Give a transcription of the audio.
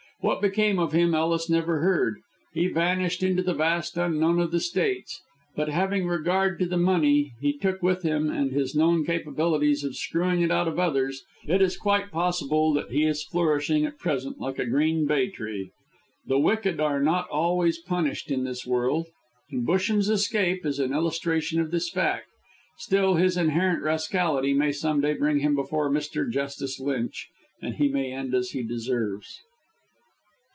What became of him Ellis never heard. He vanished into the vast unknown of the States; but, having regard to the money he took with him and his known capabilities of screwing it out of others, it is quite possible that he is flourishing at present like a green bay tree. The wicked are not always punished in this world, and Busham's escape is an illustration of this fact. Still, his inherent rascality may some day bring him before Mr. Justice Lynch, and he may end as he deserves.